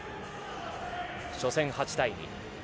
初戦８対２。